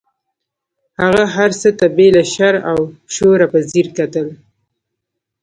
هغه هر څه ته بې له شر او شوره په ځیر کتل.